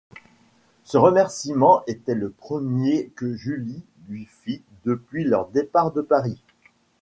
Ce remerciement était le premier que Julie lui fît depuis leur départ de Paris.